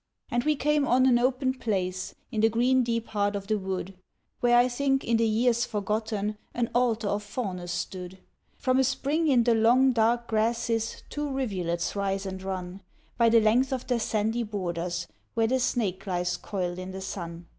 And we came on an open place in the green deep heart of the wood Where I think in the years forgotten an altar of Faunus stood; From a spring in the long dark grasses two rivulets rise and run By the length of their sandy borders where the snake lies coiled in the sun.